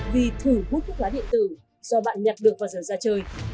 vì thử hút thuốc lá điện tử do bạn nhặt được vào giờ ra chơi